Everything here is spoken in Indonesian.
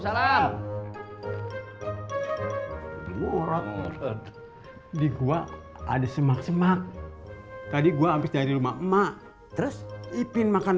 warahmatullah di gua ada semak semak tadi gua habis dari rumah emak terus ipin makan